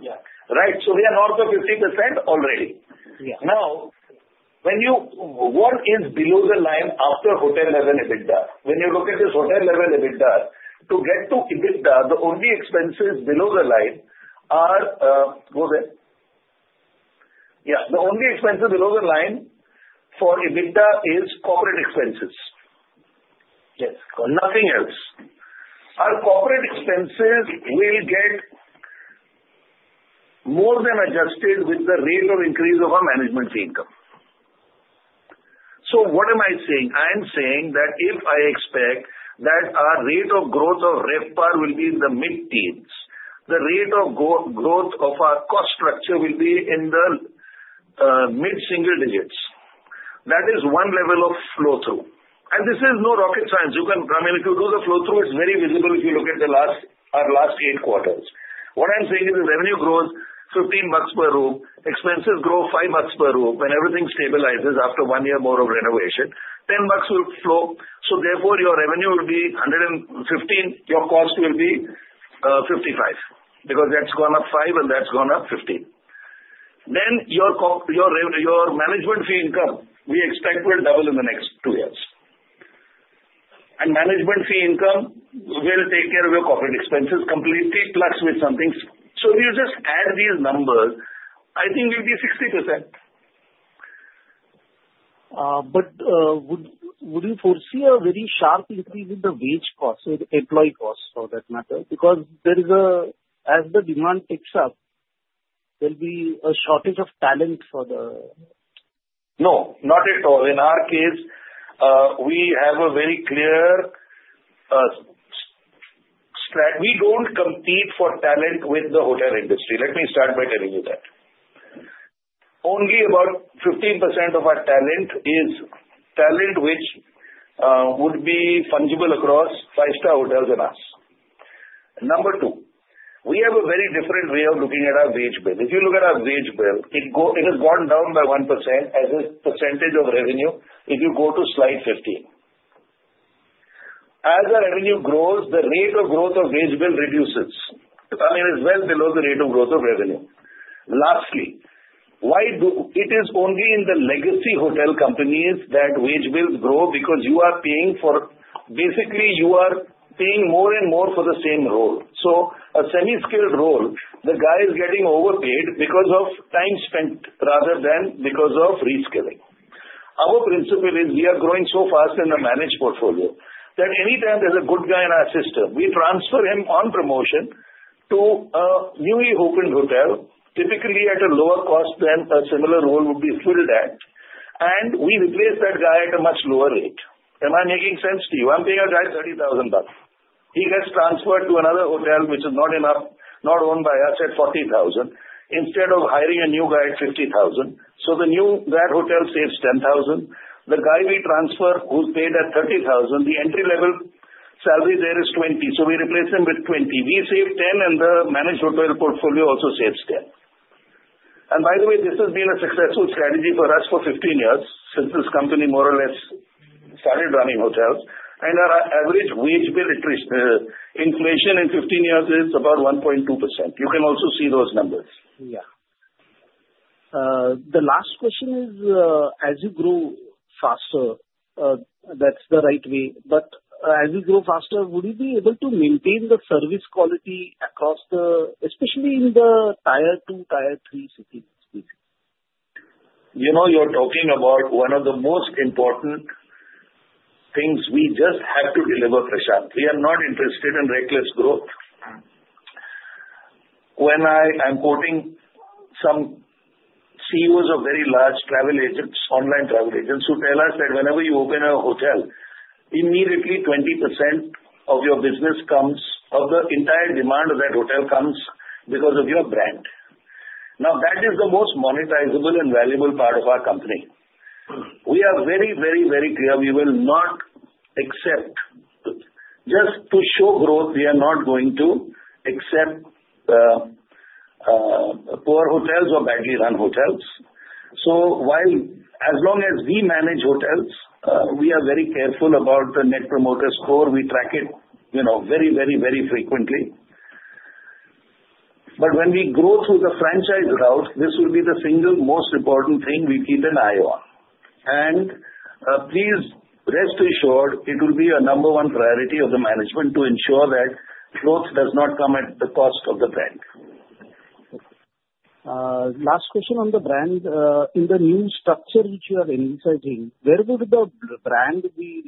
Yeah. Right? So we are north of 50% already. Yeah. Now, what is below the line after hotel-level EBITDA? When you look at this hotel-level EBITDA, to get to EBITDA, the only expenses below the line are go ahead. Yeah. The only expenses below the line for EBITDA is corporate expenses. Yes. Nothing else. Our corporate expenses will get more than adjusted with the rate of increase of our management fee income. So what am I saying? I am saying that if I expect that our rate of growth of RevPAR will be in the mid-teens, the rate of growth of our cost structure will be in the mid-single digits. That is one level of flow-through. And this is no rocket science. I mean, if you do the flow-through, it's very visible if you look at our last eight quarters. What I'm saying is the revenue grows 15 bucks per room. Expenses grow 5 bucks per room. When everything stabilizes after one year more of renovation, 10 bucks will flow. So therefore, your revenue will be 115 bucks, your cost will be 55 bucks because that's gone up 5 bucks, and that's gone up 15 bucks. Then your management fee income, we expect will double in the next two years. And management fee income will take care of your corporate expenses completely plus with something. So if you just add these numbers, I think we'll be 60%. But would you foresee a very sharp increase in the wage costs, employee costs for that matter? Because as the demand picks up, there'll be a shortage of talent for the. No. Not at all. In our case, we have a very clear we don't compete for talent with the hotel industry. Let me start by telling you that. Only about 15% of our talent is talent which would be fungible across five-star hotels and us. Number two, we have a very different way of looking at our wage bill. If you look at our wage bill, it has gone down by 1% as a percentage of revenue if you go to slide 15. As our revenue grows, the rate of growth of wage bill reduces. I mean, it's well below the rate of growth of revenue. Lastly, it is only in the legacy hotel companies that wage bills grow because you are paying for basically, you are paying more and more for the same role. So a semi-skilled role, the guy is getting overpaid because of time spent rather than because of reskilling. Our principle is we are growing so fast in the managed portfolio that anytime there's a good guy in our system, we transfer him on promotion to a newly opened hotel, typically at a lower cost than a similar role would be filled at, and we replace that guy at a much lower rate. Am I making sense to you? I'm paying a guy 30,000 bucks. He gets transferred to another hotel, which is not owned by us at 40,000 instead of hiring a new guy at 50,000. So that hotel saves 10,000. The guy we transfer who's paid at 30,000, the entry-level salary there is 20. So we replace him with 20. We save 10, and the managed hotel portfolio also saves 10. And by the way, this has been a successful strategy for us for 15 years since this company more or less started running hotels. And our average wage bill inflation in 15 years is about 1.2%. You can also see those numbers. Yeah. The last question is, as you grow faster, that's the right way. But as you grow faster, would you be able to maintain the service quality across, especially in the tier two, tier three cities? You're talking about one of the most important things we just have to deliver, Prashant. We are not interested in reckless growth. When I'm quoting some CEOs of very large travel agents, online travel agents, who tell us that whenever you open a hotel, immediately 20% of your business comes of the entire demand of that hotel comes because of your brand. Now, that is the most monetizable and valuable part of our company. We are very, very, very clear we will not accept just to show growth, we are not going to accept poor hotels or badly run hotels. So as long as we manage hotels, we are very careful about the net promoter score. We track it very, very, very frequently. But when we grow through the franchise route, this will be the single most important thing we keep an eye on. Please rest assured, it will be a number one priority of the management to ensure that growth does not come at the cost of the brand. Okay. Last question on the brand. In the new structure which you are emphasizing, where would the brand be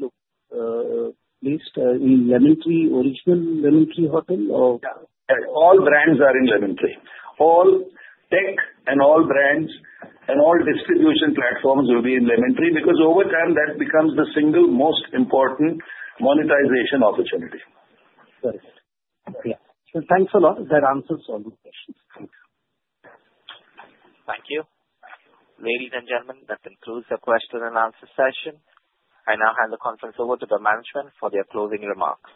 placed? In Lemon Tree, original Lemon Tree Hotel, or? Yeah. All brands are in Lemon Tree. All tech and all brands and all distribution platforms will be in Lemon Tree because over time, that becomes the single most important monetization opportunity. Got it. Yeah. So thanks a lot. That answers all the questions. Thank you. Ladies and gentlemen, that concludes the question and answer session. I now hand the conference over to the management for their closing remarks.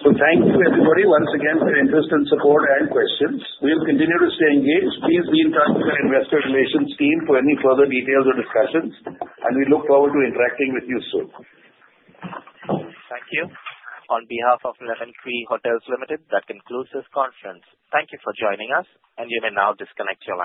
So thank you, everybody, once again, for your interest and support and questions. We'll continue to stay engaged. Please be in touch with our investor relations team for any further details or discussions. And we look forward to interacting with you soon. Thank you. On behalf of Lemon Tree Hotels Limited, that concludes this conference. Thank you for joining us, and you may now disconnect your line.